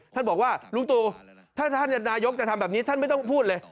ท่านบอกว่าลุงตูถ้าท่านนายกจะทำแบบนี้ท่านไม่ต้องพูดเลย